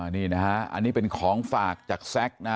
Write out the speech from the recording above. นี่นะฮะอันนี้เป็นของฝากจากแซคนะ